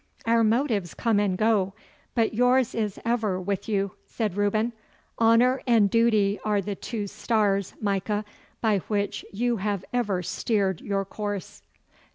'Our motives come and go, but yours is ever with you,' said Reuben. 'Honour and duty are the two stars, Micah, by which you have ever steered your course.